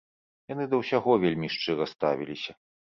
Яны да ўсяго вельмі шчыра ставіліся.